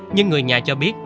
nhưng người nhà cho biết